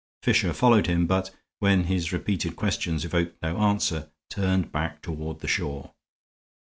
Fisher followed him, but, when his repeated questions evoked no answer, turned back toward the shore.